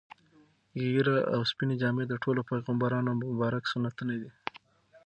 ږیره او سپینې جامې د ټولو پیغمبرانو مبارک سنتونه دي.